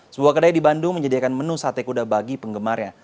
sebuah kedai di bandung menyediakan menu sate kuda bagi penggemarnya